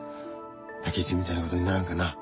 武一みたいなことにならんかな？